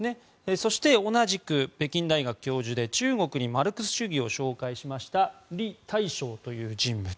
そして、同じく北京大学教授で中国にマルクス主義を紹介しましたリ・タイショウ氏という人物。